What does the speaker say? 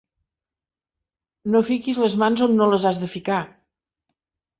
No fiquis les mans on no les has de ficar.